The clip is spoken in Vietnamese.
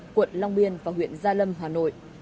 quận long biên và huyện gia lâm hà nội